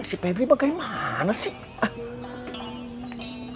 si pebri bagaimana sih